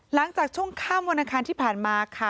หลังจากช่วงค่ำวันอังคารที่ผ่านมาค่ะ